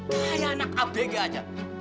kayak anak abg aja